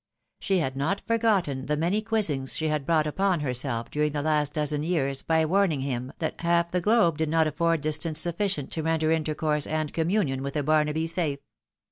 She had not forgotten the many quizzings she had brought upon herself during the last dozen years by warning him, that half the globe did not afford distance sufficient to render intercourse and communion with a Barnaby safe.